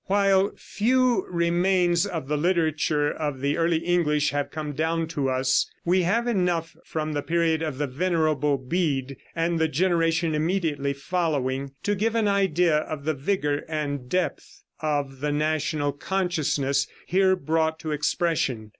While few remains of the literature of the early English have come down to us, we have enough from the period of the Venerable Bede and the generation immediately following to give an idea of the vigor and depth of the national consciousness here brought to expression.